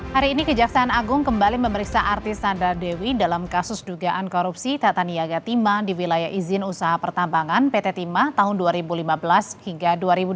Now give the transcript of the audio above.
hari ini kejaksaan agung kembali memeriksa artis sandra dewi dalam kasus dugaan korupsi tata niaga timah di wilayah izin usaha pertambangan pt timah tahun dua ribu lima belas hingga dua ribu dua puluh